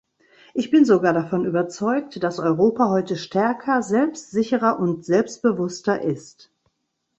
Ich bin sogar davon überzeugt, dass Europa heute stärker, selbstsicherer und selbstbewusster ist.